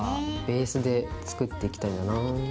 ベースで作っていきたいんだよな。